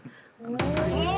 お！